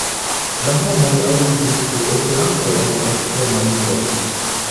La homoj aŭdis pri Esperanto en Ekstremaduro.